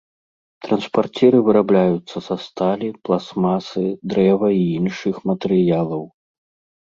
Транспарціры вырабляюцца са сталі, пластмасы, дрэва і іншых матэрыялаў.